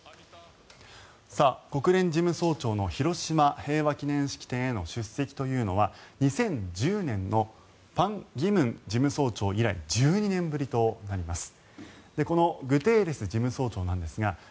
国連事務総長の広島平和記念式典への出席というのは２０１０年の潘基文事務総長以来１２年ぶりとなります。